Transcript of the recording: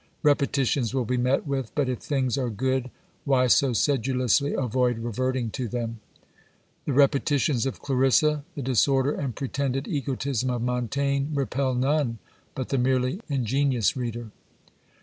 Repetitions will be met with, but if things are good, why so sedulously avoid reverting to them ? The repeti tions of "Clarissa," the disorder and pretended egotism of Montaigne, repel none but the merely ingenious reader.